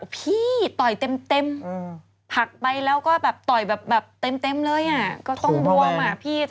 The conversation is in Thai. พี่ต่อยเต็มผลักไปแล้วก็แบบต่อยแบบเต็มเลยอ่ะก็ต้องบวมอ่ะพี่